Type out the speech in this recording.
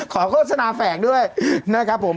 โฆษณาแฝกด้วยนะครับผม